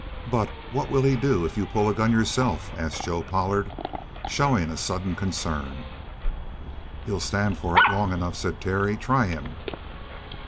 "But what'll he do if you pull a gun yourself?" asked Joe Pollard, showing a sudden concern. "He'll stand for it long enough," said Terry. "Try him!"